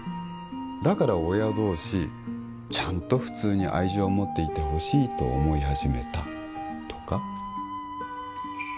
だから親同士ちゃんと普通に愛情を持っていてほしいと思い始めたとか？